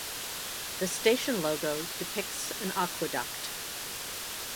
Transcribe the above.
The station logo depicts an aqueduct.